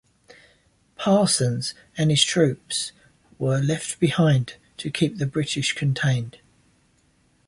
Parsons and his troops were left behind to keep the British contained.